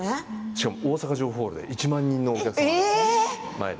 しかも大阪城ホールで１万人のお客様。